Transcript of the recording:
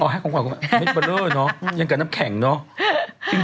อ๋อให้ของขวัญคุณแม่เม็ดเบอร์เลอร์เนอะอย่างกับนับแข่งเนอะ